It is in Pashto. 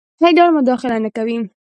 هیڅ ډول مداخله نه کوي.